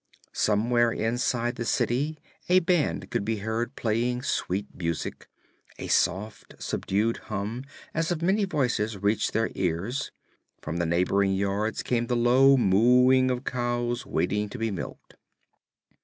Somewhere inside the city a band could be heard playing sweet music; a soft, subdued hum, as of many voices, reached their ears; from the neighboring yards came the low mooing of cows waiting to be milked.